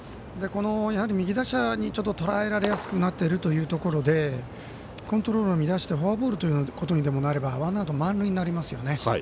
この右打者にとらえられやすくなっているということでコントロールを乱してフォアボールということにでもなればワンアウト満塁になりますよね。